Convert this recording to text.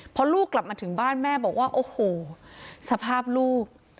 พอลูกกลับมาถึงบ้านแม่บอกว่าโอ้โหสภาพลูก